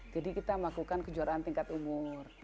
jadi kita melakukan kejuaraan tingkat umur